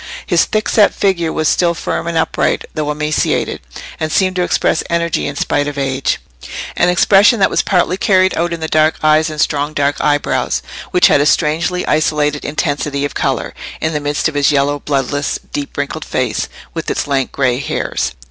His thickset figure was still firm and upright, though emaciated, and seemed to express energy in spite of age—an expression that was partly carried out in the dark eyes and strong dark eyebrows, which had a strangely isolated intensity of colour in the midst of his yellow, bloodless, deep wrinkled face with its lank grey hairs.